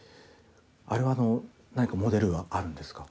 あれは何かモデルはあるんですか？